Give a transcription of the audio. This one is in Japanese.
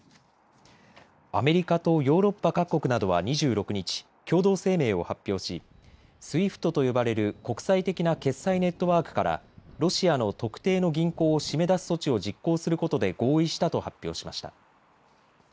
アメリカとヨーロッパ各国などは２６日、共同声明を発表しＳＷＩＦＴと呼ばれる国際的な決済ネットワークからロシアの特定の銀行を締め出す措置を実行することで合意したと発表しました。